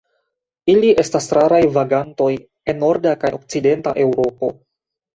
Ili estas raraj vagantoj en norda kaj okcidenta Eŭropo.